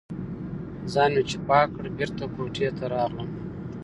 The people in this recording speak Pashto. ځان مې چې پاک کړ، بېرته کوټې ته راغلم.